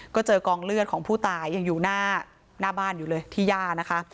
ก็เจอกองเลือดของผู้ตายยังอยู่หน้าบ้านอยู่เลยที่ย่านะคะ